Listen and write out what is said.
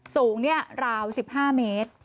สูงราว๑๕เมตร